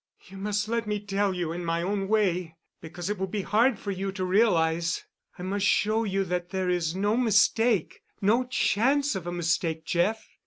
"You must let me tell you in my own way, because it will be hard for you to realize. I must show you that there is no mistake—no chance of a mistake, Jeff.